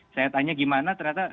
saya tanya gimana ternyata